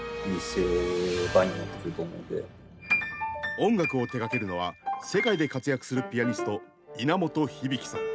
音楽を手がけるのは世界で活躍するピアニスト稲本響さん。